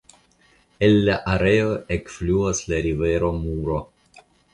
El la areo ekfluas la rivero Muro.